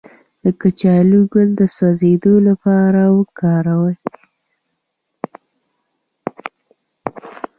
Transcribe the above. د کچالو ګل د سوځیدو لپاره وکاروئ